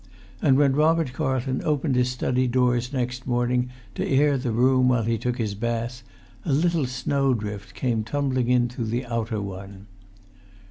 And when Robert Carlton opened his study doors next morning, to air the room while he took his bath, a little snowdrift came tumbling in through the outer one.